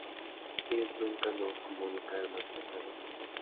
Ellos nunca nos comunicaron acerca de eso".